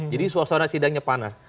jadi suasana sidangnya panas